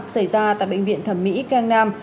xảy ra tại bệnh viện thẩm mỹ cang nam